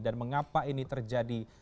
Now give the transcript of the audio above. dan mengapa ini terjadi